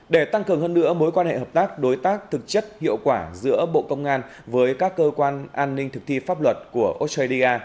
để tăng cường hơn nữa mối quan hệ hợp tác đối tác thực chất hiệu quả giữa bộ công an với các cơ quan an ninh thực thi pháp luật của australia